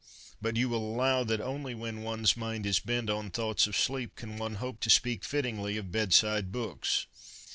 But you will allow that only when one's mind is bent on thoughts of sleep can one hope to speak fittingly of bedside books.